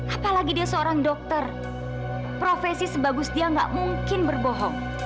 apalagi dia seorang dokter profesi sebagus dia nggak mungkin berbohong